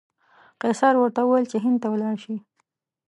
قیصر ورته وویل چې هند ته ولاړ شي.